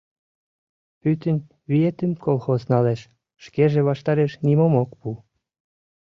Пӱтынь виетым колхоз налеш, шкеже ваштареш нимом ок пу...